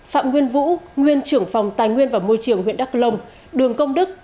phạm nguyên vũ nguyên trưởng phòng tài nguyên và môi trường huyện đắk lông đường công đức